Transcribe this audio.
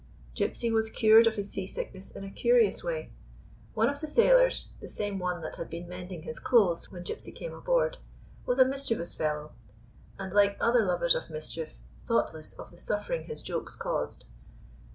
Gypsy was cured of his sea sickness in a curi ous way. One of the sailors — the same one that i39 GYPSY, THE TALKING DOG had been mending his clothes when Gypsy came aboard — was a mischievous fellow, and, like other lovers of mischief, thoughtless of the suffering his jokes caused.